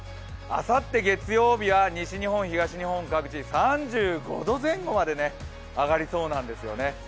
あさって月曜日は西日本、東日本各地３５度前後まで上がりそうなんですよね。